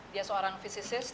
dia seorang fisisist